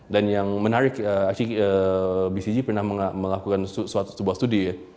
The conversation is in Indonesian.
dan yang menarik actually bcg pernah melakukan sebuah study ya